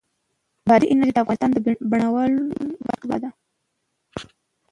بادي انرژي د افغانستان د بڼوالۍ برخه ده.